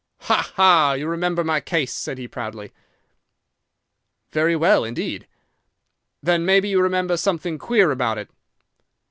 "'"Ha, ha! You remember my case!" said he proudly. "'"Very well, indeed." "'"Then maybe you remember something queer about it?"